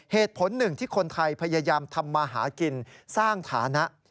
เหตุผลหนึ่งที่คนไทยพยายามทำมาหากินสร้างฐานะ